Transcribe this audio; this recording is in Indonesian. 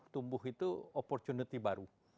tumbuh itu opportunity baru